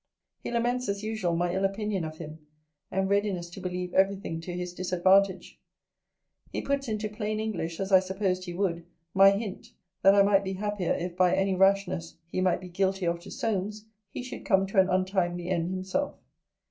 'He laments, as usual, my ill opinion of him, and readiness to believe every thing to his disadvantage. He puts into plain English, as I supposed he would, my hint, that I might be happier, if, by any rashness he might be guilty of to Solmes, he should come to an untimely end himself.'